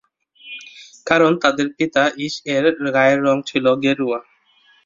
কারণ, তাদের পিতা ঈস-এর গায়ের রং ছিল গেরুয়া।